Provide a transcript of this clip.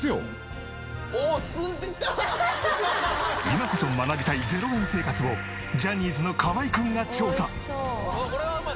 今こそ学びたい０円生活をジャニーズの河合くんが調査。